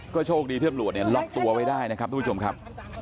โชคดีที่ตำรวจเนี่ยล็อกตัวไว้ได้นะครับทุกผู้ชมครับ